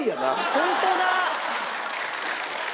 本当だ！